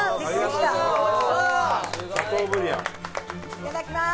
いただきます！